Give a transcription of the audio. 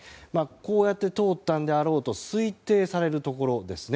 こうやって通ったんだろうと推定される部分ですね。